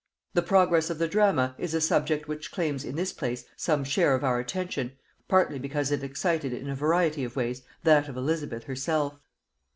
] The progress of the drama is a subject which claims in this place some share of our attention, partly because it excited in a variety of ways that of Elizabeth herself.